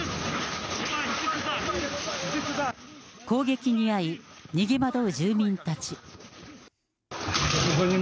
攻撃に遭い、逃げ惑う住民たち。